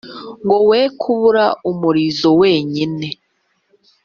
ngo we kubura umurizo wenyine.